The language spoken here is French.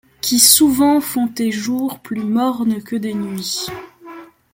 Qui souvent font tes jours plus mornes que des nuits ;